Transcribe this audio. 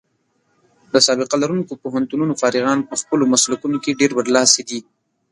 د سابقه لرونکو پوهنتونونو فارغان په خپلو مسلکونو کې ډېر برلاسي دي.